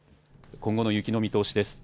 今後の雪の見通しです。